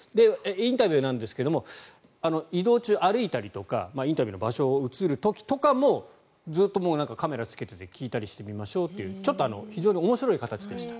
インタビューなんですが移動中、歩いたりとかインタビューの場所が映る時とかもずっとカメラをつけて聞いたりしてみましょうという非常に面白い形でした。